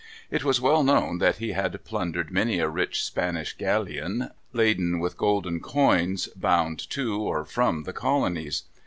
It was well known that he had plundered many a rich Spanish galleon, laden with golden coin, bound to or from the colonies.